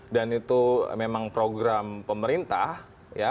dan itu memang program pemerintah ya